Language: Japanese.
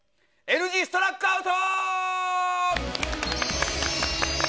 Ｌ字ストラックアウト！